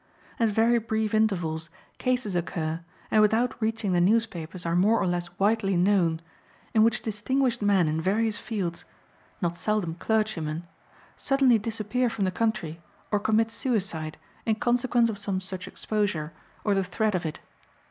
At very brief intervals cases occur, and without reaching the newspapers are more or less widely known, in which distinguished men in various fields, not seldom clergymen, suddenly disappear from the country or commit suicide in consequence of some such exposure or the threat of it.